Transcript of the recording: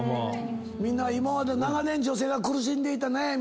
今まで長年女性が苦しんでいた悩み。